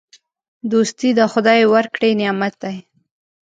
دوستي د خدای ورکړی نعمت دی.